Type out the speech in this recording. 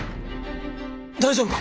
大丈夫か？